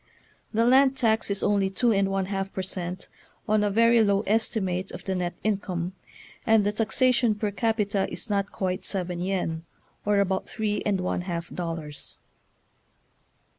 The land tax is only two and one half per cent, on a very low estimate of the net income; and the taxation per capita is not quite seven yen, or about three and one half dollars.